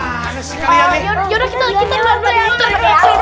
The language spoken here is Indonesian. ya udah kita berantem dulu